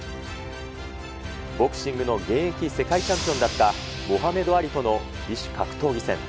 ボクシングの現役世界チャンピオンだったモアメド・アリとの異種格闘技戦。